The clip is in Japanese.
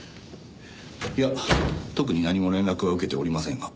いや特に何も連絡は受けておりませんが。